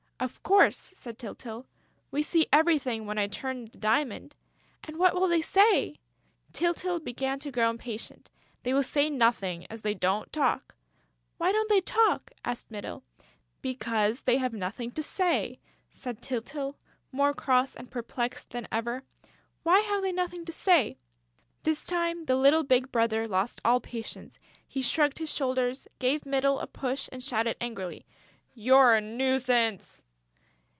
"Of course," said Tyltyl, "we see everything when I turn the diamond." "And what will they say?" Tyltyl began to grow impatient: "They will say nothing, as they don't talk." "Why don't they talk?" asked Mytyl. "Because they have nothing to say," said Tyltyl, more cross and perplexed than ever. "Why have they nothing to say?" This time, the little big brother lost all patience. He shrugged his shoulders, gave Mytyl a push and shouted angrily: "You're a nuisance!..."